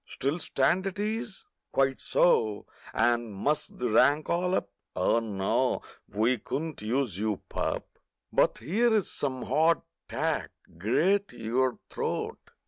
Still stand at ease? Quite so—and muss the rank all up— Oh no, we couldn't use you, pup! But here's some "hard tack." Grate your throat!